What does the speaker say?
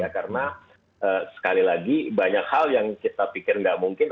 karena sekali lagi banyak hal yang kita pikir tidak mungkin